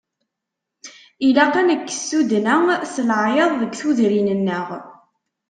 Ilaq ad nekkes tuddna s leɛyaḍ deg tudrin-nneɣ.